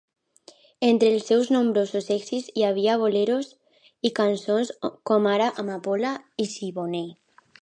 Entre els seus nombrosos èxits hi havia boleros i cançons com ara "Amapola" i "Siboney".